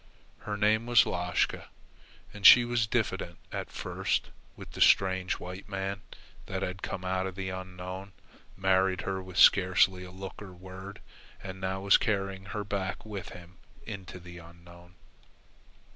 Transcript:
Her name was Lashka, and she was diffident at first with the strange white man that had come out of the Unknown, married her with scarcely a look or word, and now was carrying her back with him into the Unknown.